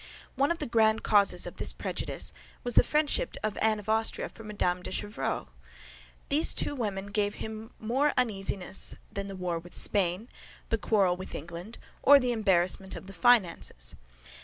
One of the grand causes of this prejudice was the friendship of Anne of Austria for Mme. de Chevreuse. These two women gave him more uneasiness than the war with Spain, the quarrel with England, or the embarrassment of the finances.